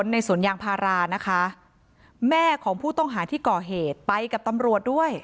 ในสวนยางพารานะคะแม่ของผู้ต้องหาที่ก่อเหตุไปกับตำรวจด้วย